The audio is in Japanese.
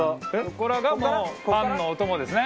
ここらがもうパンのお供ですね。